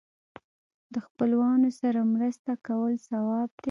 د خپلوانو سره مرسته کول ثواب دی.